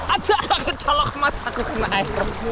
ada ah kecalok mataku kena air